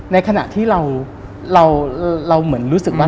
ในขณะที่เราเหมือนรู้สึกว่า